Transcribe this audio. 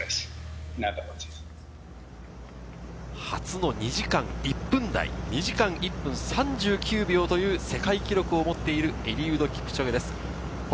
初の２時間１分台、２時間１分３９秒という世界記録を持っているエリウド・キプチョゲです。